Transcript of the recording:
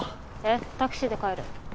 えっタクシーで帰る。